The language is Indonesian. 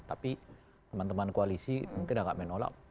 tapi teman teman koalisi mungkin agak menolak